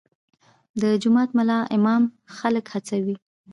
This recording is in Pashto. د جومات ملا امامان خلک هڅوي؟